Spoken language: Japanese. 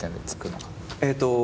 えっと